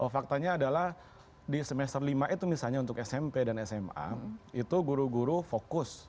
faktanya adalah di semester lima itu misalnya untuk smp dan sma itu guru guru fokus